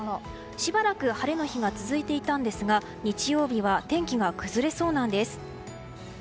しばらく晴れの日が続いていたんですが、日曜日は天気が崩れそうなんです。